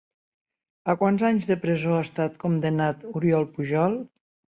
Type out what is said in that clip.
A quants anys de presó ha estat condemnat Oriol Pujol?